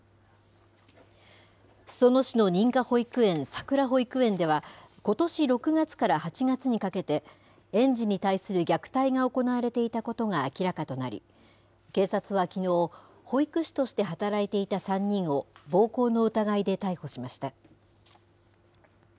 裾野市の認可保育園、さくら保育園では、ことし６月から８月にかけて、園児に対する虐待が行われていたことが明らかとなり、警察はきのう、保育士として働いていた３人を、暴行の疑いで逮捕しました。